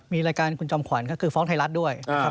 มีรายการคุณจอมขวัญก็คือฟ้องไทยรัฐด้วยนะครับ